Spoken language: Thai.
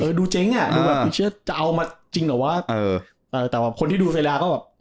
เออดูเจ๊งอ่ะดูแบบเอามาจริงหรอว่าเออเออแต่ว่าคนที่ดูซาร่าก็แบบ